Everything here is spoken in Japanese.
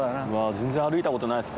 全然歩いたことないです